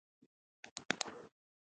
بزګر د شنو باغونو بڼوال دی